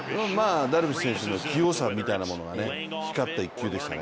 ダルビッシュ選手の器用さみたいなものが光った一球でしたね。